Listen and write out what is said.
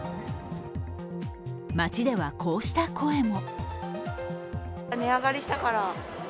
街ではこうした声も。